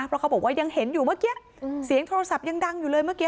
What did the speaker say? เพราะเขาบอกว่ายังเห็นอยู่เมื่อกี้เสียงโทรศัพท์ยังดังอยู่เลยเมื่อกี้